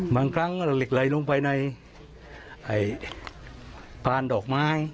บางครั้งเหล็กไหลลงไปในพานดอกไม้